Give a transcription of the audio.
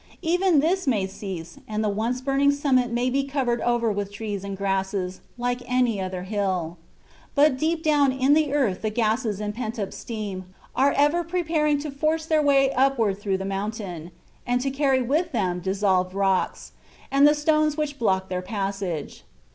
Even this may cease, and the once burning summit may be covered over with trees and grass, like any other hill. But deep down in the earth the gases and pent up steam, are ever preparing to force their way upward through the mountain, and to carry with them dissolved rocks, and the stones which block their passage.